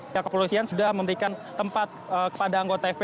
jakarta polisian sudah memberikan tempat kepada anggota fp